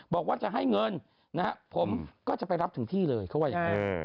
บอกว่าจะให้เงินนะครับผมก็จะไปรับถึงที่เลยเขาว่าอย่างนั้น